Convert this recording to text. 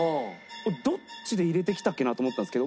どっちで入れてきたっけな？って思ったんですけど